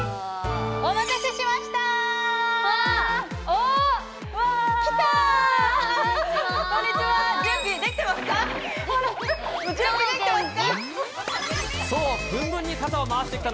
お待たせしました。